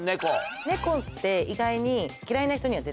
ネコって意外に。